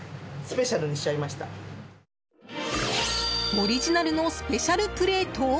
オリジナルのスペシャルプレート。